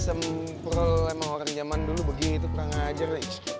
sempurl emang orang zaman dulu begitu pernah ngajar